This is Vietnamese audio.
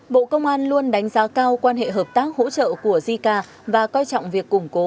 bộ công an luôn đánh giá cao quan hệ hợp tác hỗ trợ của jica và coi trọng việc củng cố